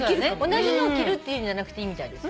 同じのを着るっていうんじゃなくていいみたいです。